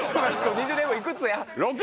２０年後いくつや？